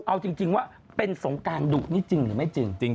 เอาจริงว่าเป็นสงการดุนี่จริงหรือไม่จริง